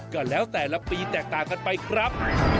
ก็แล้วแต่ละปีแตกต่างกันไปครับ